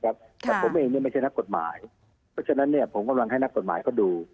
แต่ผมเองไม่ใช่นักกฎหมายเพราะฉะนั้นผมกำลังให้นักกฎหมายเขาดู